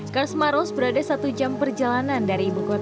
karsmaros berada satu jam perjalanan dari ibu kota sulawesi